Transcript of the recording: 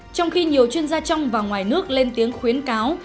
trong khi nhiều chuyên gia trong và ngoài nước lên tiếng khuyến cáo